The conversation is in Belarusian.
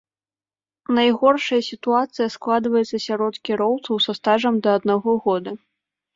Найгоршая сітуацыя складваецца сярод кіроўцаў са стажам да аднаго года.